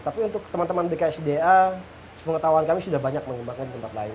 tapi untuk teman teman bksda pengetahuan kami sudah banyak mengembangkan di tempat lain